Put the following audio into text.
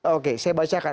oke saya bacakan